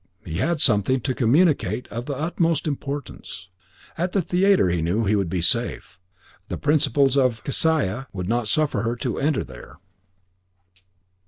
He had something to communicate of the utmost importance. At the theatre he knew that he would be safe; the principles of Kesiah would not suffer her to enter there.